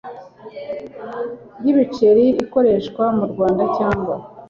y ibiceri akoreshwa mu Rwanda cyangwa